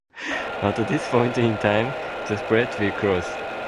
At this point in time, the spread will close.